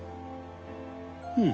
うん。